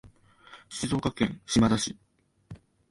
静岡県島田市